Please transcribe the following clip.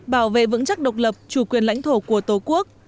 bảo vệ vững chắc độc lập chủ quyền lãnh thổ của tổ quốc